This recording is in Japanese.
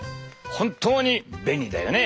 本当に便利だよね！